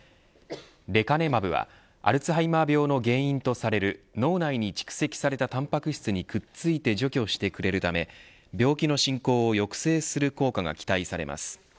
レカネマブはアルツハイマー病の原因とされる脳内に蓄積されたタンパク質にくっついて除去してくれるため病気の進行を抑制する効果が期待されます。